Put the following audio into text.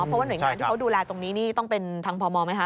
เพราะว่าหน่วยงานที่เขาดูแลตรงนี้นี่ต้องเป็นทางพมไหมคะ